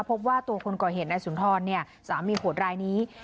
พบว่าตัวคนก็เห็นที่สมีโหดรายนี้